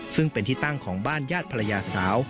ซึ่งเป็นที่ตั้งของบ้านญาติภรรยาสาว